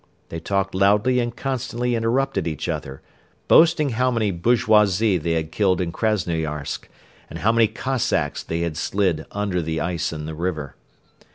They talked loudly and constantly interrupted each other, boasting how many bourgeoisie they had killed in Krasnoyarsk and how many Cossacks they had slid under the ice in the river.